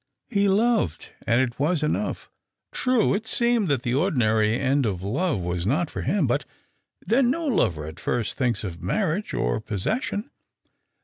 He loved, and it was enough. True, it seemed that the ordinary end of love was not for him, but then no lover at first thinks of marriage or posses sion.